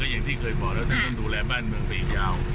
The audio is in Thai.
อย่างที่เคยบอกแล้วท่านต้องดูแลบ้านเมืองไปอีกยาว